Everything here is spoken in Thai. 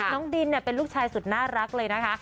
น้องดินเป็นลูกชายสุดน่ารักเลยนะคะ